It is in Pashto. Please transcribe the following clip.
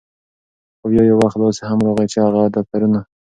خو بیا یو وخت داسې هم راغے، چې هغه دفترونه